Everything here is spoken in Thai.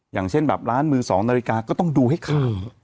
อย่างเช่นแบบร้านมือ๒นาฬิกาก็ต้องดูให้ข่าว